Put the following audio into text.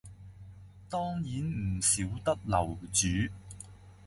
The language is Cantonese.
當然唔少得樓主